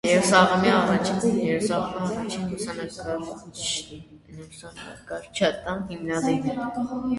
Երուսաղէմի առաջին լուսանկարչատան հիմնադիրն է։